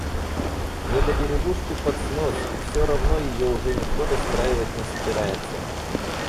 Недодеревушку под снос. Все равно ее уже никто достраивать не собирается.